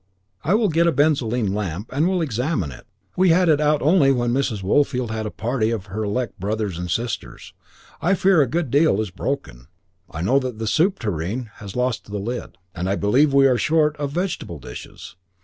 I will get a benzoline lamp, and we will examine it. We had it out only when Mrs. Woolfield had a party of her elect brothers and sisters. I fear a good deal is broken. I know that the soup tureen has lost a lid, and I believe we are short of vegetable dishes.